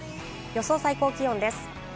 予想最高気温です。